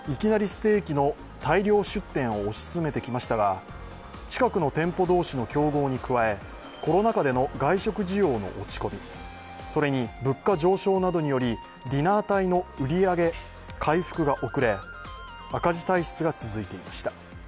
ステーキの大量出店を推し進めてきましたが、近くの店舗同士の競合に加え、コロナ禍での外食需要の落ち込み、それに物価上昇などによりディナー帯の売り上げ回復が遅れ赤字体質が続いていました。